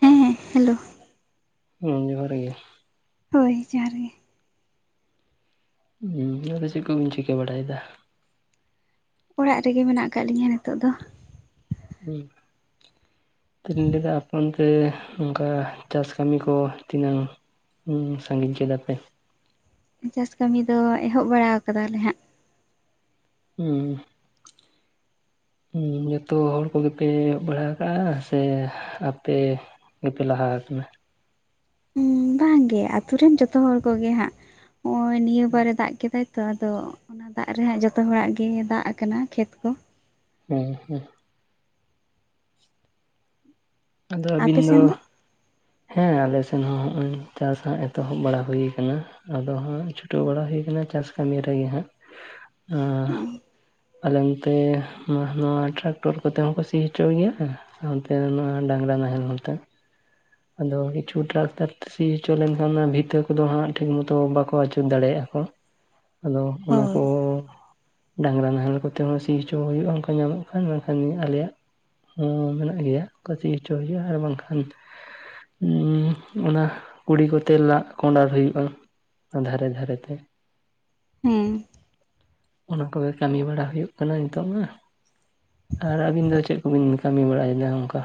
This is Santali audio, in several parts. ᱦᱮᱸ ᱦᱮᱸ ᱦᱮᱞᱳ ᱦᱮᱸ ᱡᱚᱦᱟᱨ ᱜᱮ ᱦᱳᱭ ᱡᱚᱦᱟᱨ ᱜᱮᱺ ᱦᱩᱸ ᱟᱫᱚ ᱪᱮᱫ ᱠᱚᱵᱧ ᱪᱤᱠᱟᱹ ᱵᱟᱲᱟᱭᱮᱫᱟ? ᱚᱲᱟᱜ ᱨᱮᱜᱮ ᱢᱮᱱᱟᱜ ᱟᱠᱟᱫ ᱞᱤᱧᱟᱹ ᱱᱤᱛᱚᱜ ᱫᱚ᱾ ᱦᱮᱸ ᱛᱤᱧ ᱞᱮᱫᱟ ᱟᱯᱚᱱ ᱛᱮ ᱚᱱᱠᱟ ᱪᱟᱥ ᱠᱟᱹᱢᱤ ᱠᱚ ᱛᱤᱱᱟᱹᱝ? ᱦᱩᱸ ᱥᱟᱺᱜᱤᱧ ᱠᱮᱫᱮᱫᱟ ᱯᱮ? ᱪᱟᱥ ᱠᱟᱹᱢᱤ ᱫᱚ ᱮᱦᱚᱵ ᱵᱟᱲᱟ ᱟᱠᱟᱫᱟᱞᱮ ᱦᱟᱸᱜ᱾ ᱦᱮᱸ ᱩᱸ ᱡᱚᱛᱚ ᱦᱚᱲ ᱠᱚᱜᱮᱯᱮ ᱮᱚᱜ ᱵᱟᱲᱟ ᱠᱟᱜᱼᱟ ᱥᱮ ᱟᱯᱮ ᱜᱤᱯᱮ ᱞᱟᱦᱟ ᱠᱟᱱᱟ? ᱵᱟᱝᱜᱮ ᱟᱛᱳ ᱨᱮᱱ ᱡᱚᱛᱚ ᱦᱚᱲ ᱠᱚᱜᱮ ᱦᱟᱸᱜ ᱱᱚᱜᱼᱚᱭ ᱱᱤᱭᱟᱹ ᱵᱟᱨᱮ ᱦᱮᱸ ᱫᱟᱜ ᱠᱮᱫᱟᱭ᱾ ᱛᱚ ᱟᱫᱚ ᱚᱱᱟ ᱫᱟᱜ ᱨᱮᱦ ᱡᱚᱛᱚ ᱦᱚᱲᱟᱜ ᱜᱮ ᱫᱟᱜ ᱟᱠᱟᱱᱟ ᱠᱷᱮᱛ ᱠᱚ᱾ ᱦᱮᱸ ᱦᱮᱸ ᱟᱫᱚ ᱟᱯᱮ ᱟᱹᱵᱤᱱ ᱥᱮᱱ ᱫᱚ ᱦᱮᱸ ᱟᱞᱮ ᱥᱮᱱ ᱦᱚᱸ ᱦᱚᱜᱚᱭ ᱪᱟᱥ ᱦᱟᱸᱜ ᱮᱛᱚᱦᱚᱵ ᱵᱟᱲᱟ ᱦᱩᱭ ᱟᱠᱟᱱᱟ ᱟᱫᱚ ᱦᱟᱸᱜ ᱪᱷᱩᱴᱟᱹᱣ ᱵᱟᱲᱟ ᱦᱩᱭ ᱠᱟᱱᱟ ᱪᱟᱥ ᱠᱟᱹᱢᱤ ᱨᱮᱜᱮ ᱦᱟᱸᱜ᱾ᱟᱸᱻ ᱟᱞᱮ ᱱᱚᱱᱛᱮ ᱱᱚᱣᱟ ᱴᱨᱟᱠᱴᱚᱨ ᱠᱚᱛᱮ ᱦᱚᱸᱠᱚ ᱥᱤ ᱦᱚᱪᱚ ᱜᱮᱭᱟ᱾ ᱚᱱᱛᱮ ᱱᱚᱣᱟ ᱰᱟᱝᱨᱟ ᱱᱟᱦᱮᱞ ᱱᱛᱮ ᱟᱫᱚ ᱠᱤᱪᱷᱩ ᱴᱨᱟᱠᱴᱟᱨ ᱥᱤ ᱦᱚᱪᱚ ᱞᱮᱱᱠᱷᱟᱱ ᱵᱷᱤᱛᱟᱹ ᱠᱚᱫᱚ ᱦᱟᱸᱜ ᱴᱷᱤᱠ ᱢᱚᱛᱚ ᱵᱟᱠᱚ ᱟᱹᱪᱩᱨ ᱫᱟᱲᱮᱭᱟᱜᱼᱟ ᱠᱚ᱾ ᱟᱫᱚ ᱚᱱᱟ ᱦᱳᱭ ᱠᱚ ᱰᱟᱝᱨᱟ ᱱᱟᱦᱮᱞ ᱠᱚᱛᱮ ᱦᱚᱸ ᱥᱤ ᱦᱚᱪᱚ ᱦᱩᱭᱩᱜᱼᱟ ᱚᱱᱠᱟ ᱧᱟᱢᱚᱜ ᱠᱷᱟᱱ ᱢᱮᱱᱠᱷᱟᱱ ᱟᱞᱮᱭᱟᱜ ᱦᱚᱸ ᱢᱮᱱᱟᱜ ᱜᱮᱭᱟ, ᱚᱱᱠᱟᱛᱮ ᱦᱚᱪᱚ ᱦᱩᱭᱩᱜᱼᱟ ᱟᱨ ᱵᱟᱝᱠᱷᱟᱱ ᱩᱸ ᱚᱱᱟ ᱠᱩᱲᱤ ᱠᱚᱛᱮ ᱞᱟᱜ ᱠᱚᱸᱰᱟᱨ ᱦᱩᱭᱩᱜᱼᱟ ᱚᱱᱟ ᱫᱷᱟᱨᱮ ᱫᱷᱟᱨᱮ ᱛᱮ᱾ ᱦᱮᱸ ᱚᱱᱟ ᱠᱚᱜᱮ ᱠᱟᱹᱢᱤ ᱵᱟᱲᱟ ᱦᱩᱭᱩᱜ ᱠᱟᱱᱟ ᱱᱤᱛᱚᱜ ᱢᱟ, ᱟᱨ ᱟᱹᱵᱤᱱ ᱫᱚ ᱪᱮᱫ ᱠᱚᱵᱤᱱ ᱠᱟᱹᱢᱤ ᱵᱟᱲᱟᱭᱮᱫᱟ ᱚᱱᱠᱟ?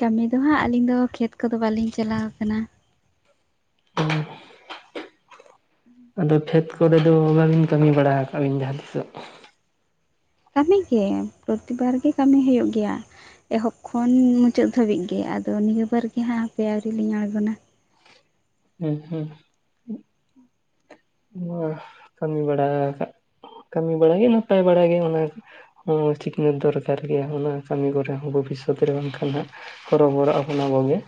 ᱠᱟᱹᱢᱤ ᱫᱚ ᱦᱟᱸᱜ ᱟᱹᱞᱤᱧ ᱫᱚ ᱠᱷᱮᱛ ᱠᱚᱫᱚ ᱵᱟᱹᱞᱤᱧ ᱪᱟᱞᱟᱣ ᱟᱠᱟᱱᱟ᱾ ᱦᱩᱸ ᱟᱫᱚ ᱠᱷᱮᱛ ᱠᱚᱨᱮ ᱫᱚ ᱵᱟᱹᱵᱤᱱ ᱠᱟᱹᱢᱤ ᱵᱟᱲᱟ ᱟᱠᱟᱟᱜ ᱵᱤᱱ ᱡᱟᱦᱟᱸ ᱛᱤᱥᱜ? ᱠᱟᱹᱢᱤ ᱜᱮ ᱯᱨᱚᱛᱤᱵᱟᱨ ᱜᱮ ᱠᱟᱹᱢᱤ ᱦᱩᱭᱩᱜ ᱜᱮᱭᱟ᱾ ᱮᱦᱚᱵ ᱠᱷᱚᱱ ᱢᱩᱪᱟᱹᱫ ᱫᱷᱟᱹᱵᱤᱡ ᱜᱮ ᱟᱫᱚ ᱱᱤᱭᱟᱹ ᱵᱟᱨ ᱜᱮ ᱦᱟᱸᱜ ᱦᱟᱯᱮ ᱟᱹᱣᱨᱤ ᱞᱤᱧ ᱟᱬᱜᱚᱱᱟ᱾ ᱦᱮᱸ ᱦᱮᱸ ᱱᱚᱣᱟ ᱠᱟᱹᱢᱤ ᱵᱟᱲᱟᱠᱟᱜ, ᱠᱟᱹᱢᱤ ᱵᱟᱲᱟᱜ ᱜᱮ ᱱᱟᱯᱟᱭ ᱵᱟᱲᱟᱟᱜ ᱜᱮ ᱚᱱᱟ, ᱦᱚᱸ ᱥᱤᱠᱷᱱᱟᱹᱛ ᱫᱚᱨᱠᱟᱨ ᱜᱮᱭᱟ ᱚᱱᱟ ᱠᱟᱹᱢᱤ ᱠᱚᱨᱮ ᱦᱚᱸ ᱵᱷᱚᱵᱤᱥᱥᱚᱛ ᱨᱮ ᱵᱟᱝᱠᱷᱟᱱ ᱦᱟᱸ, ᱦᱚᱨᱚᱵᱚᱵᱚᱨᱚᱜ ᱟᱵᱚᱱ ᱟᱵᱚ ᱠᱚᱜᱮ᱾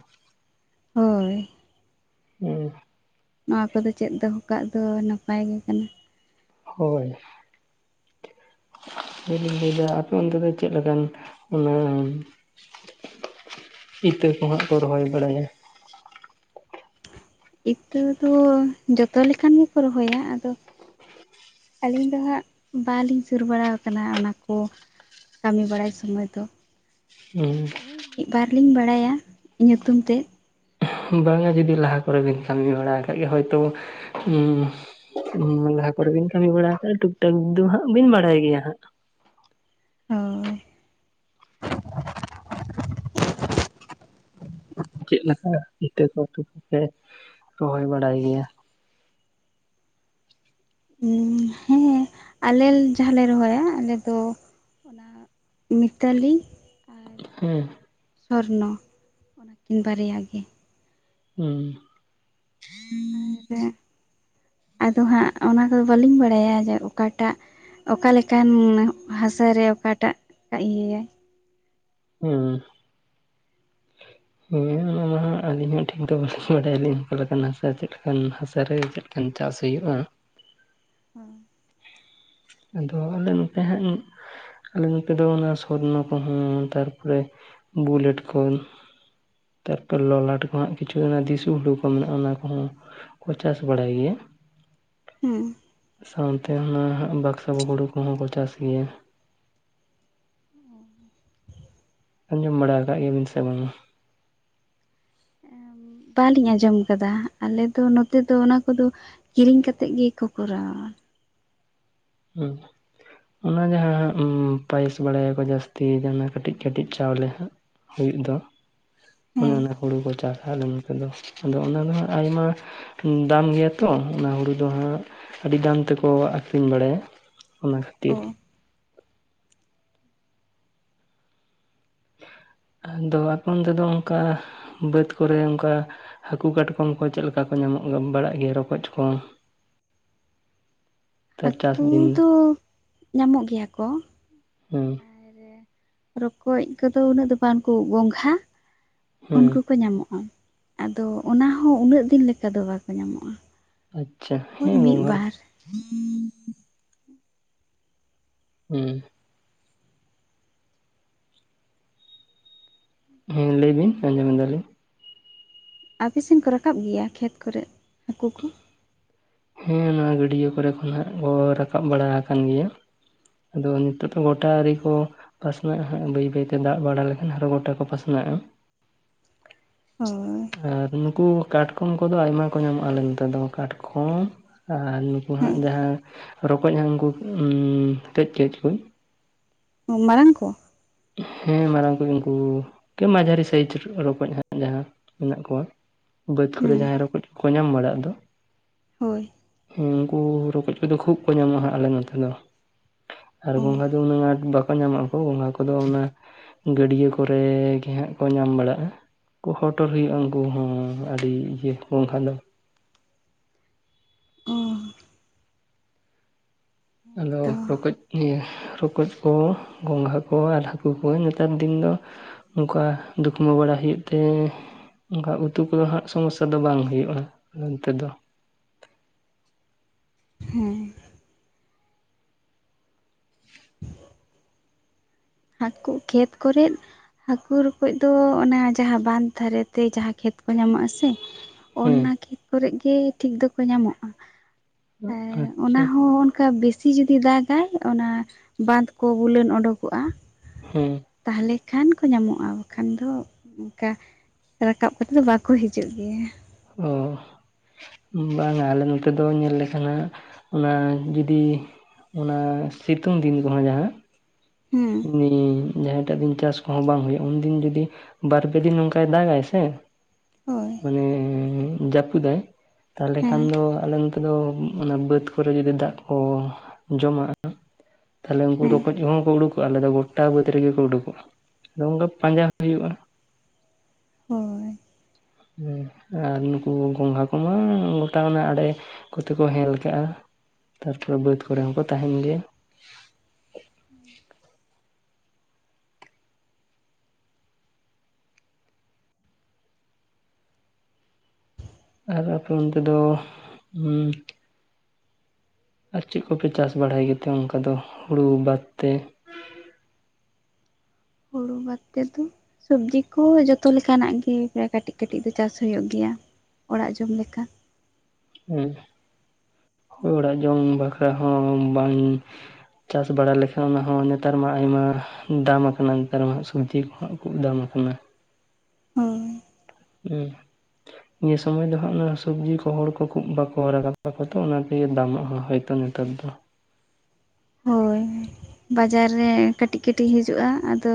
ᱦᱳᱭ ᱦᱮᱸ ᱱᱚᱣᱟ ᱠᱚᱫᱚ ᱪᱮᱫ ᱫᱚᱦᱚᱚᱠᱟᱜ ᱫᱚ ᱱᱟᱯᱟᱭ ᱜᱮ ᱠᱟᱱᱟ᱾ ᱦᱳᱭ ᱤᱧ ᱞᱟᱹᱭᱫᱟ ᱟᱯᱮ ᱚᱱᱛᱮ ᱫᱚ ᱪᱮᱫ ᱞᱮᱠᱟᱱ ᱚᱱᱟ ᱤᱛᱟᱹ ᱠᱚᱦᱟᱸᱜ ᱠᱚ ᱨᱚᱦᱚᱭ ᱵᱟᱲᱟᱭᱟ? ᱤᱛᱟᱹ ᱫᱚ ᱡᱚᱛᱚ ᱞᱮᱠᱟᱱ ᱜᱮᱠᱚ ᱨᱚᱦᱚᱭᱟ, ᱟᱫᱚ ᱟᱹᱞᱤᱧ ᱫᱚ ᱦᱟᱸᱜ ᱵᱟᱞᱤᱧ ᱥᱩᱨ ᱵᱟᱲᱟᱣ ᱠᱟᱱᱟ ᱚᱱᱟ ᱠᱩ ᱠᱟᱹᱢᱤ ᱵᱟᱲᱟᱭ ᱥᱚᱢᱚᱭ ᱫᱚ ᱦᱩᱸ ᱢᱤᱫ ᱵᱟᱨ ᱞᱤᱧ ᱵᱟᱲᱟᱭᱟ ᱧᱩᱛᱩᱢ ᱛᱮᱫ ᱵᱟᱝᱟ ᱡᱩᱫᱤ ᱞᱟᱦᱟ ᱠᱚᱨᱮᱵᱤᱱ ᱠᱟᱹᱢᱤ ᱵᱟᱲᱟ ᱟᱠᱟᱫ ᱜᱮᱭᱟ ᱦᱚᱭᱛᱚ ᱩᱸ ᱩᱸ ᱞᱟᱦᱟ ᱠᱚᱨᱮ ᱵᱤᱱ ᱠᱟᱹᱢᱤ ᱵᱟᱲᱟ ᱟᱠᱟᱫ ᱴᱩᱠ ᱴᱟᱠ ᱫᱚ ᱦᱟᱸᱜ ᱵᱤᱱ ᱵᱟᱰᱟᱭ ᱜᱮᱭᱟ ᱦᱟᱸᱜ ᱦᱳᱭ ᱮᱸᱣ ᱪᱮᱫ ᱞᱮᱠᱟ ᱤᱛᱟᱹ ᱠᱚ ᱠᱚᱯᱮ ᱨᱚᱦᱚᱭ ᱵᱟᱲᱟᱭ ᱜᱮᱭᱟ? ᱦᱩᱸ ᱦᱮᱸ ᱟᱞᱮ ᱡᱟᱦᱟᱸᱞᱮ ᱨᱚᱦᱚᱭᱟ ᱟᱞᱮ ᱫᱚ ᱚᱱᱟᱜ ᱢᱤᱛᱟᱞᱤ ᱟᱨ ᱦᱮᱸ ᱥᱚᱨᱱᱚ ᱚᱱᱟᱠᱤᱱ ᱵᱟᱨᱭᱟ ᱜᱮ ᱩᱸ ᱟᱨ ᱟᱫᱚ ᱦᱟᱸᱜ ᱚᱱᱟ ᱠᱚᱫᱚ ᱵᱟᱹᱞᱤᱧ ᱵᱟᱰᱟᱭᱟ ᱡᱮ ᱚᱠᱟᱴᱟᱜ ᱚᱠᱟ ᱞᱮᱠᱟᱱ ᱦᱟᱥᱟᱨᱮ ᱚᱠᱟᱴᱟᱜ ᱤᱭᱟᱹᱭᱟᱭ ᱦᱩᱸ ᱦᱮᱸ ᱚᱱᱟ ᱢᱟ ᱦᱟᱸᱜ ᱟᱹᱞᱤᱧ ᱦᱚᱸ ᱴᱷᱤᱠ ᱫᱚ ᱵᱟᱹᱞᱤᱧ ᱵᱟᱰᱟᱭᱟ ᱟᱹᱞᱤᱧ ᱚᱠᱟ ᱞᱮᱠᱟᱱᱟᱜ ᱦᱟᱥᱟ ᱪᱮᱫ ᱞᱮᱠᱟᱱ ᱦᱟᱥᱟ ᱨᱮ ᱪᱮᱫ? ᱮᱠᱷᱟᱱ ᱪᱟᱥ ᱦᱩᱭᱩᱜᱼᱟ ᱦᱮᱸ ᱟᱫᱚ ᱚᱱᱮ ᱚᱱᱠᱟ ᱦᱟᱸᱜ [inaudible] ᱟᱞᱮ ᱱᱚᱛᱮ ᱫᱚ ᱚᱱᱟ ᱥᱚᱨᱱᱚ ᱠᱚᱦᱚᱸ ᱛᱟᱨᱯᱚᱨᱮ ᱵᱩᱞᱮᱴ ᱠᱚ᱾ ᱛᱟᱨᱯᱚᱨ ᱞᱚᱞᱟᱴ ᱠᱚᱦᱚᱸ ᱦᱟᱸᱜ ᱠᱤᱪᱷᱩ ᱚᱱᱟ ᱫᱤᱥᱩ ᱦᱩᱲᱩ ᱠᱚ ᱢᱮᱱᱟᱜᱼᱟ ᱚᱱᱟ ᱠᱚᱦᱚᱸ᱾ ᱠᱚ ᱪᱟᱥ ᱵᱟᱲᱟᱭ ᱜᱮᱭᱟ᱾ ᱦᱩᱸ ᱥᱟᱶᱛᱮ ᱚᱱᱟ ᱵᱟᱠᱥᱚ ᱦᱩᱲᱩ ᱠᱚᱦᱚᱸ ᱠᱚ ᱪᱟᱥ ᱜᱮᱭᱟ ᱾ ᱟᱸᱡᱚᱢ ᱵᱟᱲᱟ ᱟᱠᱟᱜ ᱜᱮᱭᱟᱵᱤᱱ ᱥᱮ ᱵᱟᱝᱟ? ᱵᱟᱸᱞᱤᱧ ᱟᱸᱡᱚᱢ ᱟᱠᱟᱫᱟ, ᱟᱞᱮᱚ ᱫᱚ ᱱᱚᱛᱮ ᱫᱚ ᱚᱱᱟ ᱠᱚᱫᱚ ᱠᱤᱨᱤᱧ ᱠᱟᱛᱮᱫ ᱜᱮᱠᱚ ᱠᱚᱨᱟᱣᱟ᱾ ᱦᱩᱸ᱾ ᱚᱱᱟ ᱡᱟᱦᱟᱸ ᱦᱟᱸᱜ ᱩᱸ ᱯᱟᱭᱥ ᱵᱟᱲᱟᱭᱟᱠᱚ ᱡᱟᱹᱥᱛᱤ ᱡᱟᱦᱟᱸᱱᱟᱜ ᱠᱟᱹᱴᱤᱡ ᱠᱟᱹᱴᱤᱡ ᱪᱟᱣᱞᱮ ᱦᱟᱸᱜ᱾ ᱦᱩᱭᱩᱜ ᱫᱚ᱾ ᱚᱱᱮ ᱦᱮᱸ ᱚᱱᱟ ᱦᱩᱲᱩ ᱠᱚ ᱪᱟᱥᱟ ᱟᱞᱮ ᱱᱚᱛᱮ ᱫᱚ᱾ ᱟᱫᱚ ᱚᱱᱟ ᱫᱚ ᱦᱟᱸᱜ ᱟᱭᱢᱟ ᱫᱟᱢ ᱜᱮᱭᱟ ᱛᱚ, ᱚᱱᱟ ᱦᱩᱲᱩ ᱫᱚ ᱦᱟᱸᱜ ᱟᱹᱰᱤ ᱫᱟᱢ ᱛᱮᱠᱚ ᱟᱹᱠᱷᱨᱤᱧ ᱵᱟᱲᱟᱭᱟ᱾ ᱚᱱᱟ ᱠᱷᱟᱹᱛᱤᱨ᱾ ᱚ ᱟᱫᱚ ᱟᱯᱚᱱ ᱛᱮᱫᱚ ᱚᱱᱠᱟ, ᱵᱟᱹᱫᱽ ᱠᱚᱨᱮ ᱚᱱᱠᱟ ᱦᱟᱹᱠᱩ ᱠᱟᱴᱠᱚᱢ ᱠᱚ ᱪᱮᱫ ᱞᱮᱠᱟ ᱠᱚ ᱧᱟᱢᱚᱜ ᱟᱹᱜ ᱵᱟᱲᱟᱜ ᱜᱮᱭᱟ ᱨᱚᱠᱚᱡ ᱠᱚ᱾ [inaudible] ᱦᱟᱹᱠᱩ ᱫᱤᱱ ᱫᱚ ᱧᱟᱢᱚᱜ ᱜᱮᱭᱟ ᱠᱚ᱾ ᱦᱮᱸ ᱟᱨ ᱨᱚᱠᱚᱡ ᱠᱚᱫᱚ ᱩᱱᱟᱹᱜ ᱫᱚ ᱵᱟᱝᱠᱩ, ᱜᱚᱝᱜᱷᱟ ᱦᱩᱸ ᱩᱱᱠᱩ ᱠᱚ ᱧᱟᱢᱚᱜᱼᱟ ᱟᱫᱚ ᱚᱱᱟ ᱦᱚᱸ ᱩᱱᱟᱹᱜ ᱫᱤᱱ ᱞᱮᱠᱟ ᱫᱚ ᱵᱟᱠᱚ ᱧᱟᱢᱚᱜᱼᱟ᱾ ᱟᱪᱪᱷᱟ ᱳᱭ ᱦᱮᱸ ᱜᱚ ᱢᱤᱫ ᱜᱟᱞ ᱵᱟᱨ ᱦᱩᱸ ᱦᱮᱸ ᱞᱟᱹᱭᱵᱤᱱ ᱟᱸᱡᱚᱢ ᱮᱫᱟᱞᱤᱧ᱾ ᱟᱯᱮᱥᱮᱱ ᱠᱚ ᱨᱟᱠᱟᱵ ᱜᱮᱭᱟ, ᱠᱷᱮᱛ ᱠᱚᱨᱮ ᱦᱟᱹᱠᱩ ᱠᱚ᱾ ᱦᱮᱸ ᱱᱚᱣᱟ ᱜᱟᱹᱰᱭᱟᱹ ᱠᱚᱨᱮ ᱠᱷᱚᱱᱟᱜ ᱠᱚ ᱨᱟᱠᱟᱵ ᱵᱟᱲᱟ ᱟᱠᱟᱱ ᱜᱮᱭᱟ᱾ ᱟᱫᱚ ᱱᱤᱛᱚᱜ ᱫᱚ ᱜᱚᱴᱟ ᱨᱮ ᱠᱚ ᱯᱟᱥᱱᱟᱜᱼᱟ ᱦᱟᱸᱜ ᱵᱟᱹᱭ ᱵᱟᱹᱭ ᱛᱮ ᱫᱟᱜ ᱵᱟᱲᱟ ᱞᱮᱠᱷᱟᱱ ᱟᱨᱦᱚᱸ ᱜᱚᱴᱟ ᱠᱚ ᱯᱟᱥᱱᱟᱜᱼᱟ᱾ ᱦᱳᱭ ᱾ ᱟᱨ ᱱᱩᱠᱩ ᱠᱟᱴᱠᱚᱢ ᱠᱚᱫᱚ ᱟᱭᱢᱟ ᱠᱚ ᱧᱟᱢᱚᱜᱼᱟ ᱟᱞᱮ ᱱᱚᱛᱮ ᱫᱚ ᱾ ᱠᱟᱴᱠᱚᱢ ᱟᱨ ᱱᱩᱠᱩ ᱦᱮᱸ ᱦᱟᱸᱜ ᱡᱟᱦᱟᱸ ᱨᱚᱠᱚᱡ ᱦᱟᱸᱜ ᱩᱱᱠᱩ ᱩᱸ ᱠᱟᱹᱡ ᱠᱟᱹᱡ ᱠᱚ᱾ ᱢᱟᱨᱟᱝ ᱠᱚ᱾ ᱦᱮᱸ ᱢᱟᱨᱟᱝ ᱠᱚᱜᱮ ᱩᱱᱠᱩ ᱠᱮ ᱢᱟᱡᱷᱟᱨᱤ ᱥᱟᱦᱤᱡ ᱨᱚᱠᱚᱡ ᱦᱟᱸᱜ ᱡᱟᱦᱟᱸ᱾ ᱢᱮᱱᱟᱜ ᱠᱚᱣᱟ᱾ ᱵᱟᱹᱫᱽ ᱠᱚᱨᱮ ᱦᱮᱸ ᱡᱟᱦᱟᱸᱭ ᱨᱚᱠᱚᱡ ᱠᱚᱠᱚ ᱧᱟᱢ ᱵᱟᱲᱟᱜ ᱫᱚ᱾ ᱦᱳᱭ᱾ ᱩᱱᱠᱩ ᱨᱚᱠᱚᱡ ᱠᱚᱫᱚ ᱠᱷᱩᱵᱽ ᱠᱚ ᱧᱟᱢᱚᱜᱼᱟ ᱟᱞᱮ ᱱᱚᱛᱮ ᱫᱚ᱾ ᱟᱨ ᱚ ᱜᱚᱝᱜᱷᱟ ᱫᱚ ᱩᱱᱟᱹᱜ ᱟᱸᱴ ᱵᱟᱠᱚ ᱧᱟᱢᱚᱜᱼᱟ ᱠᱚ᱾ ᱜᱚᱝᱜᱷᱟ ᱠᱚᱫᱚ ᱚᱱᱟ ᱜᱟᱹᱰᱭᱟᱹ ᱠᱚᱨᱮ ᱜᱮ ᱦᱟᱸᱜ ᱠᱚ ᱧᱟᱢ ᱵᱟᱲᱟᱜᱼᱟ᱾ ᱠᱚ ᱦᱚᱴᱚᱨ ᱦᱩᱭᱩᱜᱼᱟ ᱩᱱᱠᱩ ᱦᱚᱸ ᱟᱹᱰᱤ ᱤᱭᱟᱹ ᱵᱟᱝᱠᱷᱟᱱ ᱫᱚ᱾ ᱚ ᱦᱮᱸ ᱟᱞᱦᱚ ᱛᱚ ᱨᱚᱠᱚᱡ ᱤᱭᱟᱹ ᱨᱚᱠᱚᱡ ᱠᱚ, ᱜᱚᱝᱜᱷᱟ ᱠᱚ ᱟᱨ ᱦᱟᱹᱠᱩ ᱠᱚ ᱱᱮᱛᱟᱨ ᱫᱤᱱ ᱫᱚ ᱚᱱᱠᱟ ᱫᱩᱠ ᱢᱟ ᱵᱟᱲᱟᱭ ᱦᱩᱭᱩᱜ ᱛᱮ᱾ ᱚᱱᱠᱟ ᱩᱛᱩ ᱠᱚᱫᱚ ᱦᱟᱸᱜ ᱥᱚᱢᱚᱥᱭᱟ ᱫᱚ ᱵᱟᱝ ᱦᱩᱭᱩᱜᱼᱟ, ᱱᱚᱛᱮ ᱫᱚ᱾ ᱦᱮᱸ ᱦᱟᱹᱠᱩ ᱠᱷᱮᱛ ᱠᱚᱨᱮᱫ ᱦᱟᱹᱠᱩ ᱨᱠᱚᱡ ᱫᱚ ᱚᱱᱟ ᱡᱟᱦᱟᱸ ᱵᱟᱸᱫᱷ ᱫᱷᱟᱨᱮᱛᱮ ᱡᱟᱦᱟᱸ ᱠᱷᱮᱛ ᱠᱚ ᱧᱟᱢᱚᱜ-ᱟ ᱥᱮ ᱚᱱᱱᱟ ᱦᱮᱸ ᱠᱷᱮᱛ ᱠᱚᱨᱮ ᱜᱮ ᱴᱷᱤᱠ ᱫᱚᱠᱚ ᱧᱟᱢᱚᱜᱼᱟ᱾ ᱟᱨ ᱚᱱᱟ ᱟᱪᱪᱷᱟ ᱦᱚᱸ ᱚᱱᱠᱟ ᱵᱮᱥᱤ ᱥᱤ ᱡᱩᱫᱤ ᱫᱟᱜᱟᱭ ᱚᱱᱟ ᱵᱟᱸᱫᱽ ᱠᱚ ᱵᱩᱞᱟᱹᱱ ᱚᱰᱩᱠᱚᱜᱼᱟ᱾ ᱦᱮᱸ ᱛᱟᱦᱚᱞᱮ ᱠᱷᱟᱱ ᱠᱚ ᱧᱟᱢᱚᱜᱼᱟ ᱵᱟᱠᱷᱟᱱ ᱫᱚ ᱚᱱᱠᱟ ᱨᱟᱠᱟᱵ ᱠᱟᱛᱮᱫ ᱫᱚ ᱵᱟᱠᱚ ᱦᱤᱡᱩᱜ ᱜᱮᱭᱟ ᱾ ᱚ ᱵᱟᱝᱼᱟ ᱟᱞᱮ ᱱᱚᱛᱮ ᱫᱚ ᱧᱮᱞ ᱞᱮᱠᱷᱟᱱ ᱦᱟᱸᱜ ᱚᱱᱟ ᱡᱩᱫᱤ ᱚᱱᱟ ᱥᱤᱛᱩᱝ ᱫᱤᱱ ᱠᱚᱦᱚᱸ ᱡᱟᱦᱟᱸ ᱦᱮᱸ ᱡᱟᱦᱟᱸᱭᱴᱟᱜ ᱫᱤᱱ ᱪᱟᱥ ᱠᱚᱦᱚᱸ ᱵᱟᱝ ᱦᱩᱭᱩᱜᱼᱟ ᱩᱱᱫᱤᱱ ᱡᱩᱫᱤ ᱵᱟᱨ-ᱯᱮ ᱫᱤᱱ ᱱᱚᱝᱠᱟᱟᱭ ᱫᱟᱜᱽᱟᱭ ᱥᱮ ᱦᱳᱭ ᱡᱟᱹᱯᱩᱫᱟᱭ ᱛᱟᱦᱞᱮ ᱦᱮᱸ ᱠᱷᱟᱱ ᱫᱚ ᱟᱞᱮ ᱱᱚᱛᱮ ᱫᱚ ᱚᱱᱟ ᱵᱟᱹᱫᱽ ᱠᱚᱨᱮ ᱡᱩᱫᱤ ᱫᱟᱜ ᱠᱚ ᱡᱚᱢᱟᱜᱼᱟ ᱛᱟᱦᱚᱞᱮ ᱩᱱᱠᱩ ᱦᱮᱸ ᱨᱚᱠᱚᱡ ᱦᱚᱸ ᱠᱚ ᱩᱰᱩᱠ ᱟᱞᱮᱫ ᱫᱚ ᱜᱚᱴᱟ ᱵᱟᱹᱫᱽ ᱨᱮᱜᱮ ᱠᱚ ᱩᱰᱩᱠᱚᱜᱼᱟ ᱟᱫᱚ ᱚᱱᱠᱟ ᱯᱟᱸᱡᱟ ᱦᱚᱸ ᱦᱩᱭᱩᱜᱼᱟ ᱾ ᱦᱚᱸ ᱦᱮᱸ ᱟᱨ ᱱᱩᱠᱩ ᱜᱚᱝᱜᱷᱟ ᱠᱚᱢᱟ ᱜᱚᱴᱟ ᱚᱱᱟ ᱟᱲᱮ ᱾ ᱠᱚᱛᱮ ᱠᱚ ᱦᱮᱞᱠᱟᱜᱼᱟ ᱛᱟᱨᱯᱚᱨᱮ ᱵᱟᱹᱫᱽ ᱠᱚᱨᱮ ᱦᱚᱸᱠᱚ ᱛᱟᱦᱮᱱ ᱜᱮᱭᱟ ᱾ ᱟᱨ ᱟᱯᱮ ᱚᱱᱛᱮ ᱫᱚ ᱟᱨ ᱪᱮᱫ ᱠᱚᱯᱮ ᱪᱟᱥ ᱵᱟᱲᱟᱭ ᱜᱮᱛᱮ ᱚᱱᱠᱟ ᱫᱚ ᱦᱩᱲᱩ ᱵᱟᱫ ᱛᱮ? ᱦᱩᱲᱩ ᱵᱟᱫ ᱛᱮ ᱫᱚ ᱥᱚᱵᱡᱤ ᱠᱚ ᱦᱚᱸ ᱡᱚᱛᱚ ᱞᱮᱠᱟᱱᱟᱜ ᱜᱮ ᱠᱟᱹᱴᱤᱡ ᱠᱟᱹᱴᱤᱡ ᱫᱚ ᱪᱟᱥ ᱦᱩᱭᱩᱜ ᱜᱮᱭᱟ ᱾ ᱚᱲᱟᱜ ᱡᱚᱢ ᱞᱮᱠᱟ ᱦᱮᱸ ᱦᱳᱭ ᱚᱲᱟᱜ ᱡᱚᱢ ᱵᱟᱠᱷᱨᱟ ᱦᱚᱸ ᱵᱟᱝ ᱪᱟᱥ ᱵᱟᱲᱟ ᱞᱮᱠᱷᱟᱱ ᱚᱱᱟ ᱦᱚᱸ ᱱᱮᱛᱟᱨ ᱢᱟ ᱟᱭᱢᱟ ᱫᱟᱢ ᱟᱠᱟᱱᱟ ᱱᱮᱛᱟᱨ ᱢᱟ ᱦᱟᱸᱜ ᱥᱚᱵᱡᱤ ᱠᱚᱦ ᱠᱟᱹᱡ ᱫᱟᱢ ᱟᱠᱟᱱᱟ ᱦᱩᱸ ᱦᱮᱸ ᱱᱤᱭᱟᱹ ᱥᱚᱢᱚᱭ ᱫᱚ ᱦᱟᱸᱜ ᱚᱱᱟ ᱥᱚᱵᱡᱤ ᱠᱚ ᱦᱚᱲ ᱠᱚᱠᱚ ᱵᱟᱠᱚ ᱦᱚᱨᱟᱜ ᱠᱟᱱ ᱛᱟᱠᱚᱭᱟ ᱛᱚ ᱚᱱᱟ ᱛᱮᱜᱮ ᱫᱟᱢᱟᱜ ᱦᱚᱸ ᱦᱳᱭ ᱛᱚ ᱱᱮᱛᱟᱨ ᱫᱚ ᱦᱳᱭ ᱵᱟᱡᱟᱨ ᱨᱮ ᱠᱟᱹᱴᱤᱡ ᱠᱟᱹᱴᱤᱡ ᱦᱤᱡᱩᱜᱼᱟ ᱟᱫᱚ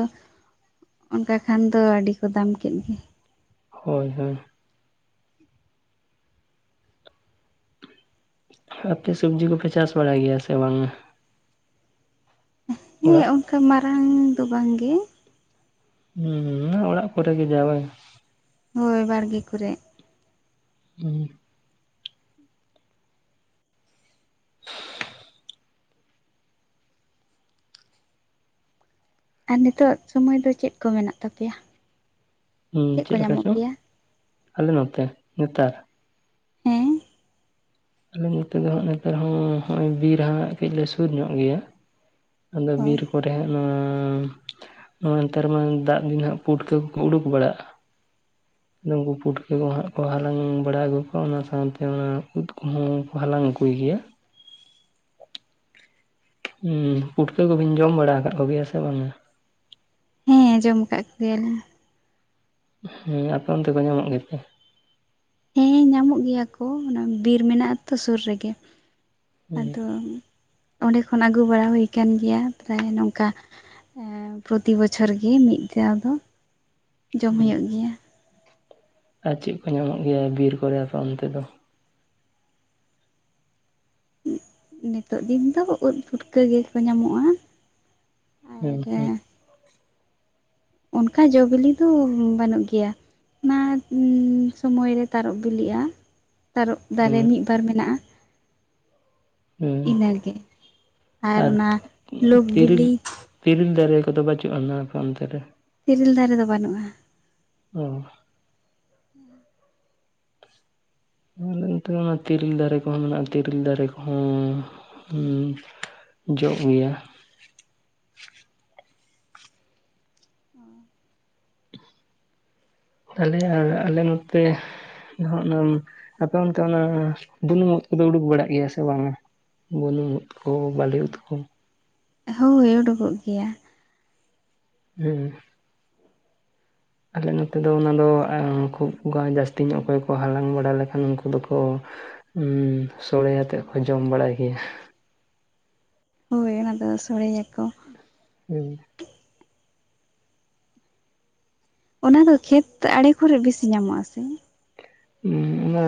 ᱚᱱᱠᱟ ᱠᱷᱟᱱ ᱫᱚ ᱟᱹᱰᱤ ᱠᱚ ᱫᱟᱢ ᱠᱮᱫ ᱜᱮ ᱦᱳᱭ ᱦᱳᱭ ᱟᱯᱮ ᱥᱚᱵᱡᱤ ᱠᱚ ᱯᱮᱪᱟᱥ ᱵᱟᱲᱟᱭ ᱜᱮᱭᱟ ᱥᱮ ᱵᱟᱝ-ᱟ? ᱦᱮᱸ ᱚᱲᱟᱜ ᱚᱱᱠᱟ ᱢᱟᱨᱟᱝ ᱫᱚ ᱵᱟᱝᱜᱮ᱾ ᱦᱩᱸ ᱚᱲᱟᱜ ᱠᱚᱨᱮ ᱜᱮ ᱦᱳᱭ ᱵᱟᱲᱜᱮ ᱠᱚᱨᱮᱜ᱾ [inaudible] [inaudible] ᱟᱨ ᱱᱤᱛᱚᱜ ᱥᱳᱢᱳᱭ ᱫᱚ ᱪᱮᱫ ᱠᱚ ᱢᱮᱱᱟᱜ ᱛᱟᱯᱮᱭ-ᱟ? ᱦᱩ ᱠᱚ ᱪᱮᱫ ᱞᱮᱠᱟ ᱧᱟᱢᱚᱜ ᱪᱚᱝ ᱜᱮᱭᱟ ᱟᱞᱮ ᱱᱚᱛᱮ ᱱᱮᱛᱟᱨ ᱾ ᱦᱮᱸ ᱟᱞᱮ ᱱᱮᱛᱟᱨ ᱦᱚᱸ ᱱᱚᱜᱼᱚᱭ ᱵᱤᱨ ᱦᱟᱸᱜ ᱠᱟᱹᱡ ᱞᱮ ᱥᱩᱨ ᱧᱚᱜ ᱜᱮᱭᱟ᱾ ᱟᱫᱚ ᱦᱳᱭ ᱵᱤᱨ ᱠᱚᱨᱮ ᱱᱚᱣᱟ ᱱᱮᱛᱟᱨᱢᱟ ᱫᱟᱜ ᱫᱤᱱᱦᱟᱜ ᱯᱩᱴᱠᱟᱹ ᱠᱚᱠᱚ ᱩᱰᱩᱠ ᱵᱟᱲᱟᱜᱼᱟ᱾ ᱩᱱᱠᱩ ᱯᱩᱴᱠᱟᱹ ᱠᱚ ᱦᱟᱸᱜ ᱠᱚ ᱦᱟᱞᱟᱝ ᱵᱟᱲᱟ ᱟᱹᱜᱩ ᱠᱚᱣᱟ ᱚᱱᱟ ᱥᱟᱶᱛᱮ ᱚᱱᱟ ᱩᱫ ᱾ ᱠᱚ ᱦᱟᱞᱟᱝ ᱟᱹᱜᱩᱭ ᱜᱮᱭᱟ ᱾ ᱯᱩᱴᱠᱟᱹ ᱠᱚᱵᱤᱱ ᱡᱚᱢ ᱵᱟᱲᱟ ᱟᱠᱟᱫ ᱠᱚᱜᱮᱭᱟ ᱥᱮ ᱵᱟᱝ-ᱟ? ᱦᱮᱸ ᱡᱚᱢ ᱠᱚᱜᱮᱭᱟᱞᱤᱧ ᱾ ᱦᱮᱸ ᱟᱯᱮ ᱚᱱᱛᱮ ᱠᱚ ᱧᱟᱢᱚᱜ ᱜᱮ ᱛᱮ? ᱦᱮᱸ ᱧᱟᱢᱚᱜ ᱜᱮᱭᱟ ᱠᱚ ᱚᱱᱟ ᱵᱤᱨ ᱢᱮᱱᱟᱜ ᱟᱛᱚ ᱥᱩᱨ ᱨᱮᱜᱮ᱾ ᱦᱮᱸ ᱟᱫᱚ ᱚᱸᱰᱮ ᱠᱷᱚᱱ ᱟᱹᱜᱩ ᱵᱟᱲᱟ ᱦᱩᱭ ᱠᱟᱱ ᱜᱮᱭᱟ ᱯᱨᱟᱭ ᱱᱚᱝᱠᱟ᱾ ᱯᱨᱚᱛᱤ ᱵᱚᱪᱷᱚᱨ ᱜᱮ ᱢᱤᱫ ᱫᱷᱟᱣ ᱫᱚ ᱡᱚᱢ ᱦᱮᱸ ᱦᱩᱭᱩᱜ ᱜᱮᱭᱟ ᱾ ᱟᱨ ᱪᱮᱫ ᱠᱚ ᱧᱟᱢᱚᱜ ᱜᱮᱭᱟ ᱵᱤᱨ ᱠᱚᱨᱮ ᱟᱯᱮ ᱚᱱᱛᱮ ᱫᱚ ᱾ ᱱᱤᱛᱚᱜ ᱫᱤᱱ ᱫᱚ ᱩᱫ ᱯᱩᱴᱠᱟᱹ ᱜᱮᱠᱚ ᱧᱟᱢᱚᱜᱼᱟ ᱾ ᱦᱩᱸ ᱦᱩᱸ ᱚᱱᱠᱟ ᱡᱚ ᱵᱤᱞᱤ ᱫᱚ ᱵᱟᱹᱱᱩᱜ ᱜᱮᱭᱟ ᱾ ᱚᱱᱟ ᱥᱚᱢᱚᱭ ᱨᱮ ᱛᱟᱨᱚᱰ ᱵᱤᱞᱤᱜᱼᱟ ᱾ ᱛᱟᱨᱚᱰ ᱫᱟᱨᱮ ᱦᱮᱸ ᱢᱤᱫ ᱵᱟᱨ ᱢᱮᱱᱟᱜᱼᱟ᱾ ᱦᱮᱸ ᱤᱱᱟᱹᱜᱮ ᱟᱨ ᱚᱱᱟ ᱞᱳᱠ ᱛᱤᱨᱤᱞ ᱵᱤᱞᱤ ᱾ ᱛᱤᱨᱤᱞ ᱫᱟᱨᱮ ᱠᱚᱫᱚ ᱵᱟᱪᱩᱜ ᱟᱱᱟ ᱟᱯᱮ ᱚᱱᱛᱮ ᱨᱮ ᱾ ᱛᱮᱨᱮᱞ ᱫᱟᱨᱮ ᱫᱚ ᱵᱟᱹᱱᱩᱜᱼᱟ ᱾ ᱚ ᱦᱚᱭ ᱟᱞᱮ ᱱᱚᱛᱮ ᱢᱟ ᱛᱤᱨᱤᱞ ᱫᱟᱨᱮ ᱠᱚᱦᱚᱸ ᱢᱮᱱᱟᱜᱼᱟ ᱛᱤᱨᱤᱞ ᱫᱟᱨᱮ ᱠᱚᱦᱚᱸ᱾ ᱦᱩᱸ ᱡᱚᱜ ᱜᱮᱭᱟ ᱾ [inaudible] ᱛᱟᱦᱞᱮ ᱟᱨ ᱟᱞᱮ ᱱᱚᱛᱮ ᱾ [unintelligible] ᱟᱯᱮ ᱚᱱᱛᱮ ᱚᱱᱟ ᱵᱩᱱᱩᱢ ᱳᱫ ᱠᱚᱫᱚ ᱩᱰᱩᱠ ᱵᱟᱲᱟᱜ ᱜᱮᱭᱟ ᱥᱮ ᱵᱟᱝ-ᱟ ᱾ ᱵᱩᱱᱩᱢ ᱳᱫ ᱠᱚ ᱵᱟᱞᱤ ᱳᱫ ᱠᱚ ᱾ ᱦᱩᱭ ᱩᱰᱩᱠᱚᱜ ᱜᱮᱭᱟ ᱾ ᱦᱩᱸ ᱟᱞᱮ ᱱᱚᱛᱮ ᱫᱚ ᱚᱱᱟ ᱫᱚ ᱠᱷᱩᱵ ᱡᱟᱹᱥᱛᱤ ᱧᱚᱜ ᱚᱠᱚᱭ ᱠᱚ ᱦᱟᱞᱟᱝ ᱵᱟᱲᱟ ᱞᱮᱠᱷᱟᱱ ᱩᱱᱠᱩ ᱫᱚᱠᱚ ᱥᱳᱲᱮ ᱟᱛᱮᱫ ᱠᱚ ᱡᱚᱢ ᱵᱟᱲᱟᱭ ᱜᱮᱭᱟ ᱾ ᱦᱳᱭ ᱚᱱᱟᱫᱚ ᱥᱳᱲᱮᱭᱟᱠᱚ ᱾ ᱦᱩᱸ ᱚᱱᱟ ᱫᱚ ᱠᱷᱮᱛ ᱟᱲᱮ ᱠᱚᱨᱮ ᱵᱤᱥᱤ ᱧᱟᱢᱚᱜᱼᱟ ᱥᱮ ᱚᱱᱟ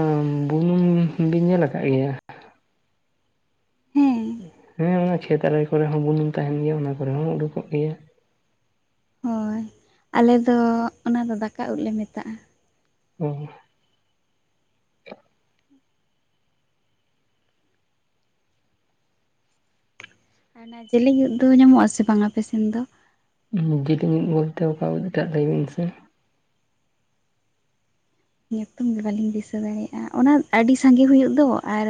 ᱵᱩᱱᱩᱢ ᱵᱤᱱ ᱧᱮᱞ ᱟᱠᱟᱫ ᱜᱮᱭᱟ ᱦᱮᱸ ᱦᱮᱸ ᱚᱱᱟ ᱠᱷᱮᱛ ᱟᱲᱮ ᱠᱚᱨᱮ ᱦᱚᱸ ᱵᱩᱱᱩᱢ ᱛᱟᱦᱮᱱ ᱜᱮᱭᱟ ᱚᱱᱟ ᱠᱚᱨᱮ ᱦᱚᱸ ᱩᱰᱩᱠᱚᱜ ᱜᱮᱭᱟ ᱦᱳᱭ ᱟᱞᱮ ᱫᱚ ᱚᱱᱟᱫᱚ ᱫᱟᱠᱟ ᱩᱫ ᱞᱮ ᱢᱮᱛᱟᱜᱼᱟ ᱾ [inaudible] ᱟᱨ ᱚᱱᱟ ᱡᱮᱞᱮᱧ ᱳᱫ ᱫᱚ ᱧᱟᱢᱚᱜ- ᱟ ᱥᱮ ᱵᱟᱝ ᱟᱯᱮ ᱥᱮᱱ ᱫᱚ ᱾ ᱡᱮᱞᱮᱠᱟ ᱟᱫ ᱵᱚᱞᱛᱮ ᱚᱠᱟ ᱳᱫ ᱢᱟᱜ ᱞᱟᱹᱭ ᱵᱤᱱ ᱥᱮ ᱾ ᱧᱩᱛᱩᱢ ᱜᱮ ᱵᱟᱹᱞᱤᱧ ᱫᱤᱥᱟᱹ ᱫᱟᱲᱮᱭᱟᱜᱼᱟ ᱚᱱᱟ ᱟᱹᱰᱤ ᱥᱟᱸᱜᱮ ᱦᱩᱭᱩᱜ ᱫᱚ ᱟᱨ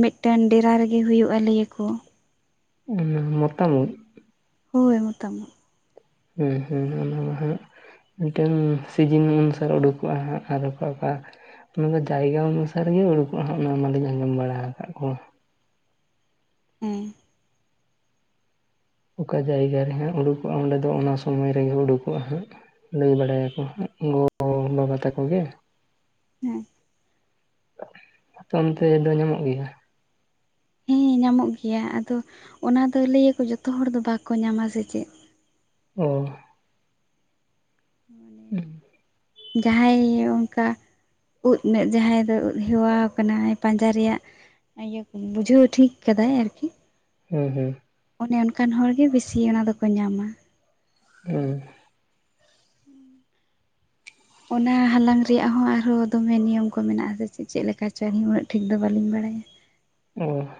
ᱢᱤᱫ ᱴᱮᱱ ᱰᱮᱨᱟ ᱨᱮᱜᱮ ᱦᱩᱭᱩᱜᱼᱟ ᱞᱟᱹᱭ ᱟᱠᱚ ᱢᱚᱛᱟᱢ ᱳᱫ ᱦᱳᱭ ᱢᱚᱛᱟᱢ ᱳᱫ ᱦᱮᱸ ᱦᱮᱸ ᱚᱱᱟ ᱢᱟ ᱦᱟᱸᱜ ᱢᱤᱫ ᱴᱮᱱ ᱥᱤᱡᱤᱱ ᱚᱱᱩᱥᱟᱨ ᱩᱰᱩᱠᱚᱜᱼᱟ ᱦᱟᱸᱜ ᱟᱨ ᱚᱠᱟ ᱚᱠᱟ ᱚᱱᱟ ᱫᱚ ᱡᱟᱭᱜᱟ ᱚᱱᱩᱥᱟᱨ ᱜᱮ ᱩᱰᱩᱠᱚᱜᱼᱟ ᱦᱟᱸᱜ ᱚᱱᱟ ᱢᱟᱞᱤᱧ ᱟᱸᱡᱚᱢ ᱵᱟᱲᱟ ᱟᱠᱟᱫ ᱠᱚ ᱦᱮᱸ ᱚᱠᱟ ᱡᱟᱭᱜᱟ ᱨᱮ ᱦᱟᱸᱜ ᱩᱰᱩᱠᱚᱜᱼᱟ ᱚᱸᱰᱮ ᱫᱚ ᱚᱱᱟ ᱥᱚᱢᱚᱭ ᱨᱮᱜᱮ ᱩᱰᱩᱠᱚᱜᱼᱟ ᱦᱟᱸᱜ ᱞᱟᱹᱭ ᱵᱟᱲᱟᱭᱟ ᱠᱚ ᱜᱚ ᱵᱟᱵᱟ ᱛᱟᱠᱚ ᱜᱮ ᱦᱮᱸ ᱟᱯᱮ ᱚᱱᱛᱮ ᱫᱚ ᱧᱟᱢᱚᱜ ᱜᱮᱭᱟ ᱦᱮᱸ ᱧᱟᱢᱚᱜ ᱜᱮᱭᱟ ᱟᱫᱚ ᱚᱱᱟ ᱫᱚ ᱞᱟᱹᱭ ᱟᱠᱚ ᱡᱚᱛᱚ ᱦᱚᱲ ᱫᱚ ᱵᱟᱠᱚ ᱧᱟᱢᱟ ᱥᱮ ᱪᱮᱫ ᱚᱸ [inaudible] ᱦᱩᱸ ᱡᱟᱦᱟᱸᱭ ᱚᱱᱠᱟ ᱩᱫ ᱢᱮᱫ ᱡᱟᱦᱟᱸᱭ ᱫᱚ ᱦᱮᱣᱟᱣ ᱠᱟᱱᱟᱭ ᱯᱟᱸᱡᱟ ᱨᱮᱭᱟᱜ ᱤᱭᱟᱹ ᱠᱚ ᱵᱩᱡᱷᱟᱹᱣ ᱴᱷᱤᱠ ᱠᱟᱫᱟᱭ ᱟᱨᱠᱤ ᱦᱩᱸ ᱦᱩᱸ ᱚᱱᱮ ᱚᱱᱠᱟᱱ ᱦᱚᱲ ᱜᱮ ᱵᱤᱥᱤ ᱚᱱᱟ ᱫᱚᱠᱚ ᱧᱟᱢᱟ ᱚᱸ ᱚᱱᱟ ᱦᱟᱞᱟᱝ ᱨᱮᱭᱟᱜ ᱦᱚᱸ ᱟᱨᱦᱚᱸ ᱫᱚᱢᱮ ᱱᱤᱭᱚᱢ ᱠᱚ ᱢᱮᱱᱟᱜᱼᱟ ᱥᱮ ᱪᱮᱫ ᱪᱮᱫ ᱞᱮᱠᱟ ᱪᱚ ᱩᱱᱟᱹᱜ ᱴᱷᱤᱠ ᱫᱚ ᱵᱟᱹᱞᱤᱧ ᱵᱟᱲᱟᱭᱟ ᱾ ᱚᱸ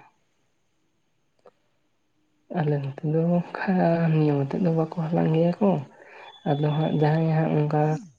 ᱟᱞᱮ ᱱᱚᱛᱮ ᱫᱚ ᱚᱱᱠᱟ ᱱᱤᱭᱚᱢ ᱟᱛᱮᱫ ᱫᱚ ᱵᱟᱠᱚ ᱦᱟᱞᱟᱝ ᱜᱮᱭᱟ ᱠᱚ ᱾ ᱟᱫᱚ ᱦᱟᱸᱜ ᱡᱟᱦᱟᱸᱭ ᱜᱮ ᱦᱟᱸᱜ ᱚᱱᱠᱟ